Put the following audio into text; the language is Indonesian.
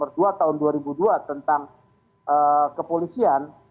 berlakunya undang undang nomor dua tahun dua ribu dua tentang kepolisian